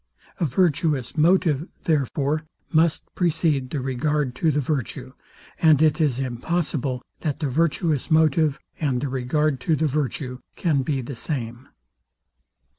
A virtuous motive, therefore, must precede the regard to the virtue, and it is impossible, that the virtuous motive and the regard to the virtue can be the same.